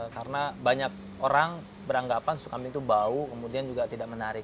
karena banyak orang beranggapan susu kambing itu bau kemudian juga tidak menarik